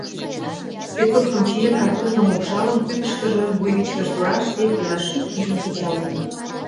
Спецовкым чиен, картузым упшалын, ӱпышкыжӧ, вуйвичкыж тураште, пилашӱк пижын кечалтын.